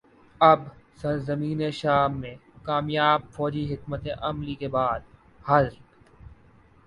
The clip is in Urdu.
اب سرزمین شام میں کامیاب فوجی حکمت عملی کے بعد حزب